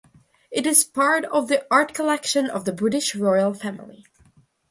It is part of the art collection of the British royal family.